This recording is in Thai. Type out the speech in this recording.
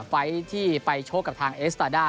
ไฟล์ที่ไปชกกับทางเอสตาด้า